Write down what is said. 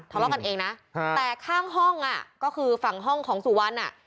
ทะเลาะกันเองนะแต่ข้างห้องอ่ะก็คือฝั่งห้องของสุวรรณอ่ะ